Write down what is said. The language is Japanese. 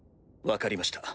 分かりました